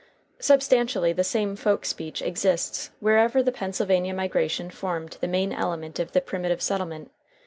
Substantially the same folk speech exists wherever the Pennsylvania migration formed the main element of the primitive settlement.